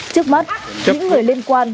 trước mắt những người liên quan